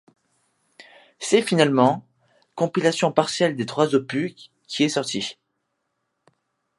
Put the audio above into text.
C'est finalement ', compilation partielle des trois opus, qui est sortie.